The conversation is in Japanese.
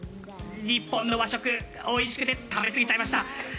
日本の和食おいしくて食べ過ぎちゃいました。